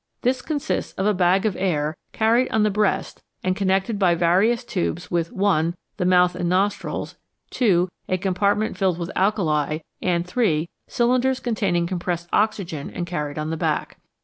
This consists of a bag of air carried on the breast and connected by various tubes with (1) the mouth and nostrils, (2) a compartment filled with alkali, and (3) cylinders containing compressed oxygen and carried on the back.